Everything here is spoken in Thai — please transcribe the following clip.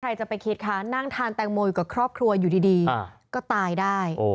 ใครจะไปคิดคะนั่งทานแตงโมอยู่กับครอบครัวอยู่ดีก็ตายได้